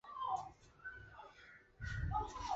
奥斯陆自由论坛创办者是。